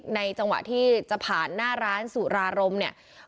จังหวะที่จะผ่านหน้าร้านสุรารมเนี่ย